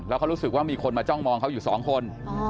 แล้วเขารู้สึกว่ามีคนมาจ้องมองเขาอยู่สองคน